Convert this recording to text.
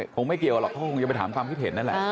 คงไม่เกี่ยวหรอกเขาคงจะไปถามความคิดเห็นนั่นแหละ